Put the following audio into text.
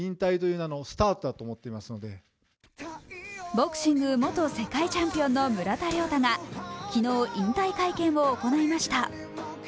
ボクシング元世界チャンピオンの村田諒太が昨日、引退会見を行いました。